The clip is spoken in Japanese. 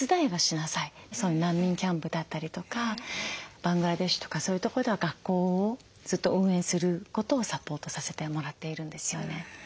難民キャンプだったりとかバングラデシュとかそういうとこでは学校をずっと運営することをサポートさせてもらっているんですよね。